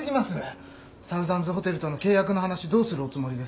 サウザンズホテルとの契約の話どうするおつもりですか？